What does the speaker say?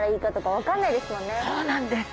そうなんです。